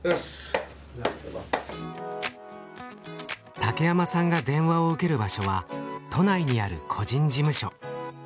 竹山さんが電話を受ける場所は都内にある個人事務所。